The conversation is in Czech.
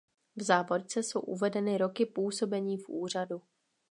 V závorce jsou uvedeny roky působení v úřadu.